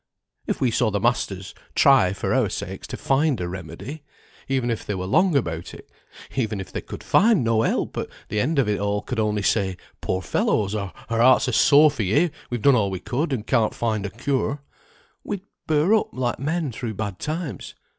If we saw the masters try for our sakes to find a remedy, even if they were long about it, even if they could find no help, and at the end of all could only say, 'Poor fellows, our hearts are sore for ye; we've done all we could, and can't find a cure,' we'd bear up like men through bad times.